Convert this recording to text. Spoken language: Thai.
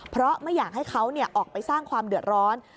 เพราะไม่อยากให้เขาออกไปสร้างความเดือดร้อน